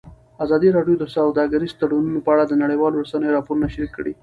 ازادي راډیو د سوداګریز تړونونه په اړه د نړیوالو رسنیو راپورونه شریک کړي.